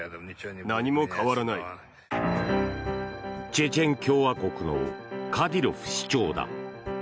チェチェン共和国のカディロフ首長だ。